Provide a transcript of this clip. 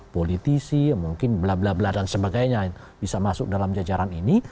politisi mungkin bla bla bla dan sebagainya bisa masuk dalam jajaran ini